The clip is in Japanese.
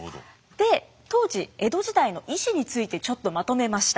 で当時江戸時代の医師についてちょっとまとめました。